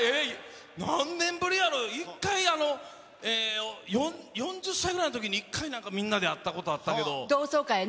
何年ぶりやろう、１回、４０歳ぐらいのときに１回、なんかみんなで会ったことあった同窓会ね。